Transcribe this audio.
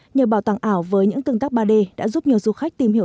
nhờ bảo tàng ảo với những tương tác ba d đã giúp nhiều du khách tìm hiểu